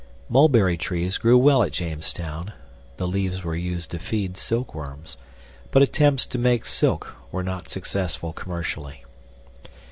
Mulberry trees grew well at Jamestown (the leaves were used to feed silk worms), but attempts to make silk were not successful commercially.